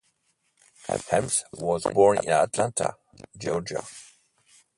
Helms was born in Atlanta, Georgia.